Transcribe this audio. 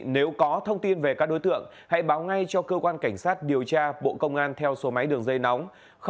nếu có thông tin về các đối tượng hãy báo ngay cho cơ quan cảnh sát điều tra bộ công an theo số máy đường dây nóng